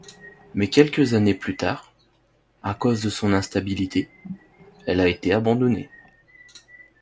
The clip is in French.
Mais quelques années plus tard, à cause de son instabilité, elle a été abandonnée.